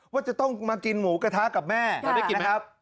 ว่าจะต้องมากินหมูกะทะกับแม่นะครับ